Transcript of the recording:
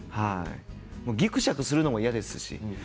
ぎくしゃくするのも嫌ですし。